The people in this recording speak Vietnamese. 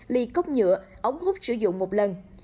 ly cốc nhựa ống hút sử dụng một lần